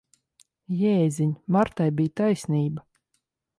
Jēziņ! Martai bija taisnība.